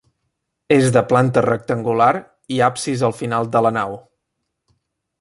És de planta rectangular i absis al final de la nau.